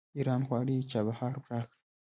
ایران غواړي چابهار پراخ کړي.